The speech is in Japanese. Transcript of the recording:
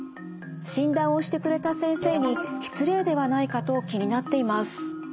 診断をしてくれた先生に失礼ではないかと気になっています」。